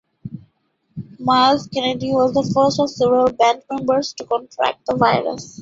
Myles Kennedy was the first of several band members to contract the virus.